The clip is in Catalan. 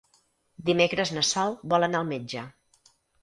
Dimecres na Sol vol anar al metge.